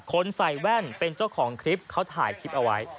ใส่แว่นเป็นเจ้าของคลิปเขาถ่ายคลิปเอาไว้